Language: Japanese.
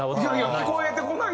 聞こえてこない